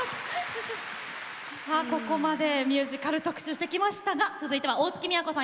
ここまでミュージカル特集してきましたが続いては大月みやこさん